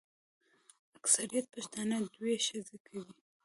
اکثریت پښتانه دوې ښځي کوي.